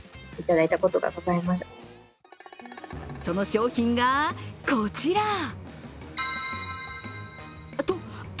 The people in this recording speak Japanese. その商品が、こちら。